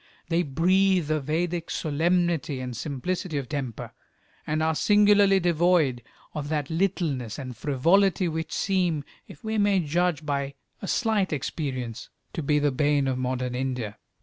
They breathe a Vedic solemnity and simplicity of temper, and are singularly devoid of that littleness and frivolity which seem, if we may judge by a slight experience, to be the bane of modern India.